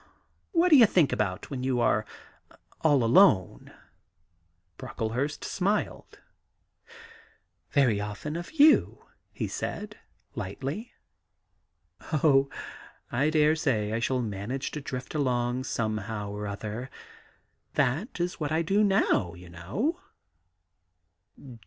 What do you think about when you are all alone ?' Brocklehurst smiled. *Very often of you,' he said lightly. ' Oh, I dare say I shall manage to drift along somehow or other. That is what I do now, you know.'